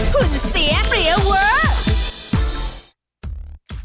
หุ่นเสียเปรี้ยวเวอร์